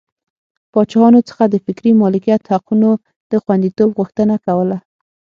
پاچاهانو څخه د فکري مالکیت حقونو د خوندیتوب غوښتنه کوله.